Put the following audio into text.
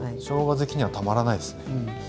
しょうが好きにはたまらないですね。